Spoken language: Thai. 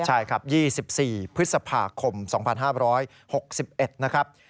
ใช่ครับ๒๔พฤษภาคม๒๕๖๑นะครับ